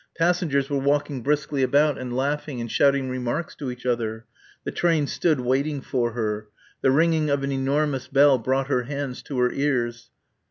Passengers were walking briskly about and laughing and shouting remarks to each other. The train stood waiting for her. The ringing of an enormous bell brought her hands to her ears.